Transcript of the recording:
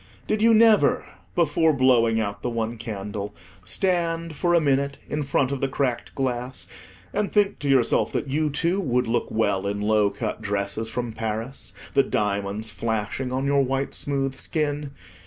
Did you never, before blowing out the one candle, stand for a minute in front of the cracked glass, and think to yourself that you, too, would look well in low cut dresses from Paris, the diamonds flashing on your white smooth skin?